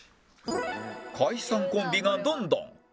解散コンビがどんどん